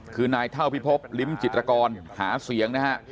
คือนายเท่าพิพบลิ้มจิตรกรหาเสียงนะฮะ